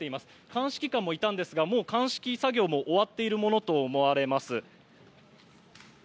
鑑識官もたんですがもう鑑識作業も終わっているものと思われます。